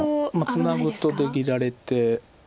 ツナぐと出切られて。